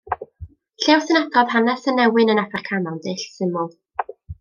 Llyfr sy'n adrodd hanes y newyn yn Affrica mewn dull syml.